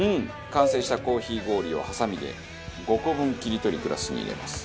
完成したコーヒー氷をハサミで５個分切り取りグラスに入れます。